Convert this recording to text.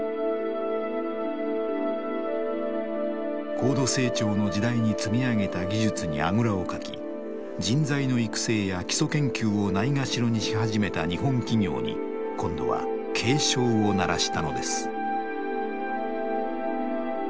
高度成長の時代に積み上げた技術にあぐらをかき人材の育成や基礎研究をないがしろにし始めた日本企業に今度は警鐘を鳴らしたのです。